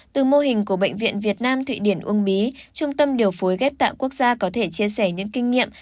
từ mô hình của bệnh viện việt nam thụy điển uông bí trung tâm điều phối ghép tạng quốc gia có thể chia sẻ những kinh nghiệm